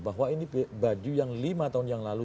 bahwa ini baju yang lima tahun yang lalu